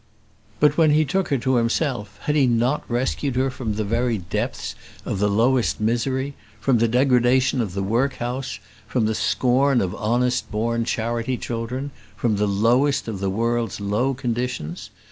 But when he took her to himself, had he not rescued her from the very depths of the lowest misery: from the degradation of the workhouse; from the scorn of honest born charity children; from the lowest of the world's low conditions?